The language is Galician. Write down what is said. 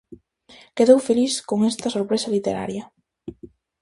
Quedou feliz con esta sorpresa literaria.